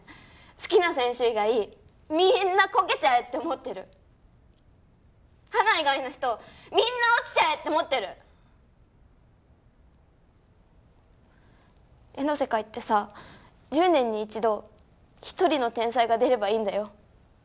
好きな選手以外みーんなコケちゃえって思ってるハナ以外の人みんな落ちちゃえって思ってる絵の世界ってさ１０年に一度１人の天才が出ればいいんだよ